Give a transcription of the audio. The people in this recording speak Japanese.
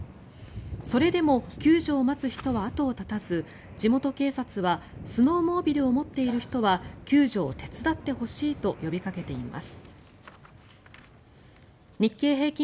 それでも救助を待つ人は後を絶たず地元警察はスノーモービルを持っている人は救助を手伝ってほしいと呼びかけています。